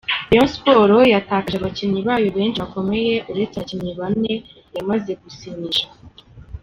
Rayon Sports yatakaje abakinnyi bayo benshi bakomeye, uretse abakinnyi bane yamaze gusinyisha.